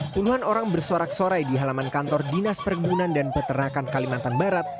puluhan orang bersorak sorai di halaman kantor dinas perkebunan dan peternakan kalimantan barat